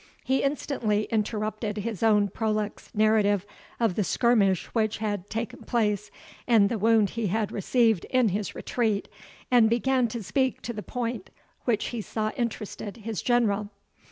He instantly interrupted his own prolix narration of the skirmish which had taken place, and the wound he had received in his retreat, and began to speak to the point which he saw interested his General.